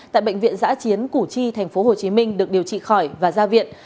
tại bệnh viện giã chiến củ chi tp hcm được điều trị khỏi và ra viện